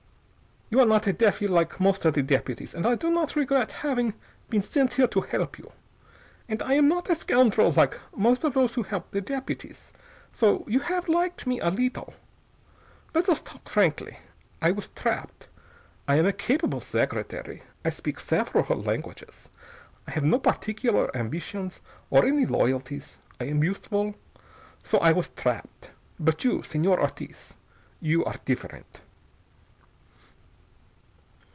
You are not a defil like most of the deputies, and I do not regret hafing been sent here to help you. And I am not a scoundtrel like most of those who help the deputies, so you haff liked me a little. Let us talk frankly. I was trapped. I am a capable segretary. I speak seferal languages. I haff no particular ambitions or any loyalties. I am useful. So I was trapped. But you, Señor Ortiz, you are different."